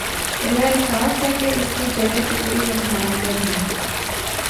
میرا احساس ہے کہ اس کی جڑیں فکری ابہام میں ہیں۔